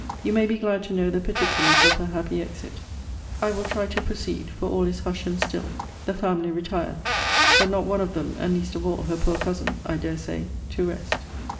You may be glad to know the particulars of her happy exit. I will try to proceed; for all is hush and still; the family retired; but not one of them, and least of all her poor cousin, I dare say, to rest.